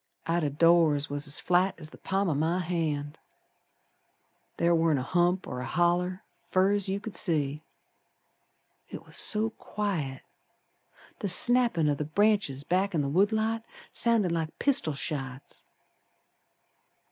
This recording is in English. Out o' doors was as flat as the palm o' my hand, Ther warn't a hump or a holler Fer as you could see. It was so quiet The snappin' o' the branches back in the wood lot Sounded like pistol shots.